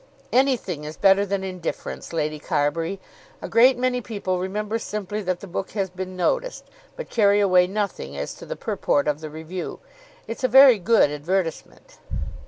"Anything is better than indifference, Lady Carbury. A great many people remember simply that the book has been noticed, but carry away nothing as to the purport of the review. It's a very good advertisement."